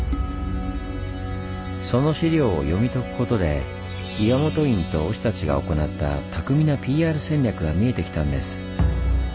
その資料を読み解くことで岩本院と御師たちが行った巧みなＰＲ戦略が見えてきたんです。